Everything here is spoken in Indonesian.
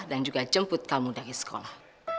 dan juga jemput kamu dari sekolah